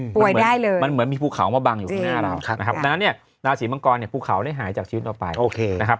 ได้เลยมันเหมือนมีภูเขามาบังอยู่ข้างหน้าเรานะครับดังนั้นเนี่ยราศีมังกรเนี่ยภูเขาได้หายจากชีวิตเราไปโอเคนะครับ